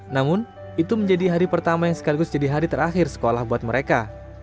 namun itu menjadi hari pertama yang sekaligus jadi hari terakhir sekolah buat mereka